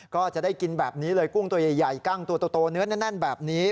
ก็จะได้กินแบบนี้เลยกุ้งตัวใหญ่กั้งตัวโตเนื้อแน่นแบบนี้